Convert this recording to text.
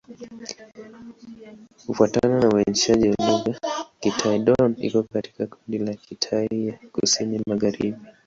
Kufuatana na uainishaji wa lugha, Kitai-Dón iko katika kundi la Kitai ya Kusini-Magharibi.